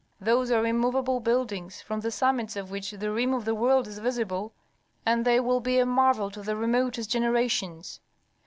Those are immovable buildings, from the summits of which the rim of the world is visible, and they will be a marvel to the remotest generations.